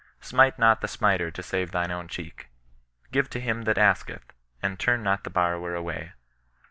Smite not the smiter to save thine own cheek. Give to him that asketh, and turn not the borrower away.